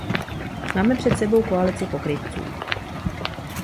Máme před sebou koalici pokrytců.